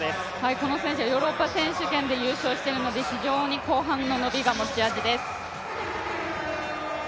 この選手はヨーロッパ選手権で優勝しているので非常に後半の伸びが持ち味です。